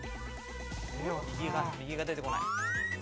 右が右が出てこない。